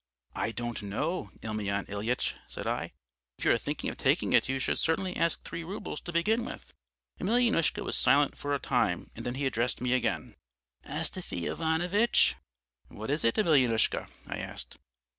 "'I don't know, Emelyan Ilyitch,' said I, 'if you are thinking of taking it you should certainly ask three roubles to begin with.' "Emelyanoushka was silent for a time, and then he addressed me again "'Astafy Ivanovitch.' "'What is it, Emelyanoushka?' I asked.